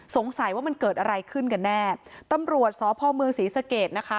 สงสัยว่ามันเกิดอะไรขึ้นกันแน่ตำรวจสพเมืองศรีสะเกดนะคะ